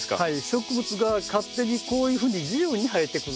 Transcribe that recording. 植物が勝手にこういうふうに自由に生えてくる。